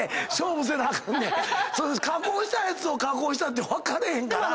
加工したやつを加工したって分からへんから。